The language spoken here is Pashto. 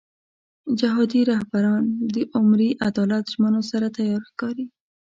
جهادي رهبران د عمري عدالت ژمنو سره تیار ښکاري.